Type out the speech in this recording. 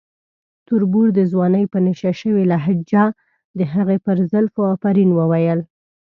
تربور د ځوانۍ په نشه شوې لهجه د هغې پر زلفو افرین وویل.